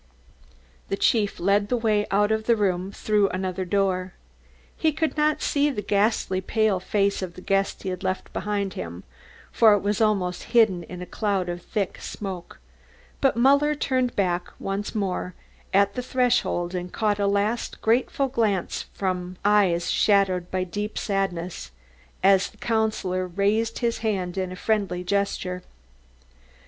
The chief led the way out of the room through another door. He could not see the ghastly pale face of the guest he left behind him, for it was almost hidden in a cloud of thick smoke, but Muller turned back once more at the threshold and caught a last grateful glance from eyes shadowed by deep sadness, as the Councillor raised his hand in a friendly gesture.